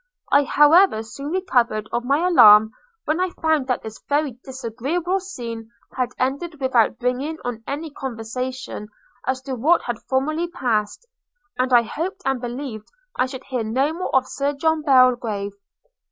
I however soon recovered of my alarm, when I found that this very disagreeable scene had ended without bringing on any conversation as to what had formerly passed; and I hoped and believed I should hear no more of Sir John Belgrave.